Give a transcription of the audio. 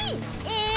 え！